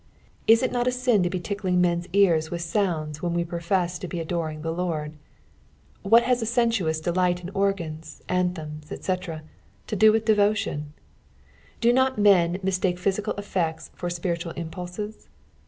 Is it not a sin to be tickling men's ears with sounds when we profess to be adoring the Lord t What haa a sensuous delight in organs, anthems, etc., to do with devotion t Do not men mistake pbyaical effects for ■piritual impulses